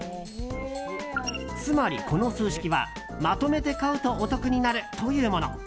つまり、この数式はまとめて買うとお得になるというもの。